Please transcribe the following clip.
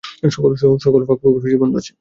সকল ফাঁকফোকর বন্ধ আছে।